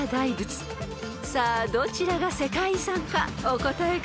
［さあどちらが世界遺産かお答えください］